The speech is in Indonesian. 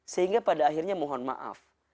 sehingga pada akhirnya mohon maaf